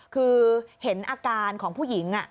คือเห็นอาการของผู้หญิง